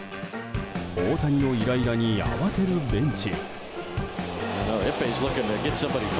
大谷のイライラに慌てるベンチ。